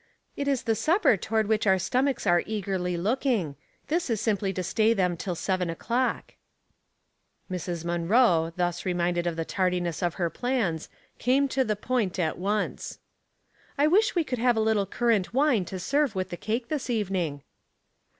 "It is the supper toward which our stomachs are eagerly looking. This is simply to stay them until seven o'clock." Oppo»ing Elements. 221 Mrs. Munroe, thus reminded of the tardiness of her plans, came to the point at once. *' 1 wish we could have a little currant wine to serve with the cake this evening."